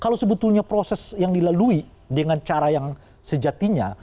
kalau sebetulnya proses yang dilalui dengan cara yang sejatinya